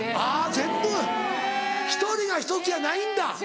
あぁ全部１人が１つやないんだ。